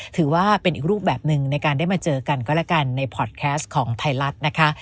ถือว่าเป็นอีกรูปแบบหนึ่งในการได้มาเจอกันก็แล้วกันในพอร์ตแคสต์ของไทยรัฐนะคะ